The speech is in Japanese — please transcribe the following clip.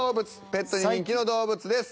「ペットに人気の動物」です。